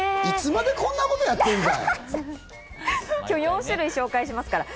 いつまでこんな事をやってるんだい？